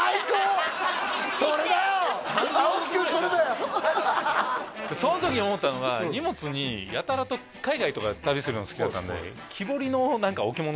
青木君それだよその時に思ったのが荷物にやたらと海外とか旅するの好きだったんでええ？